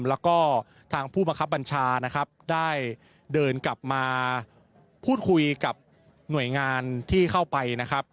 แล้วก็ทางผู้บังคับบัญชานะครับได้เดินกลับมาพูดคุยกับหน่วยงานที่เข้าไปนะครับ